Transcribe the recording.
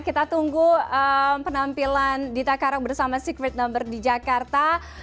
kita tunggu penampilan dita karang bersama secret number di jakarta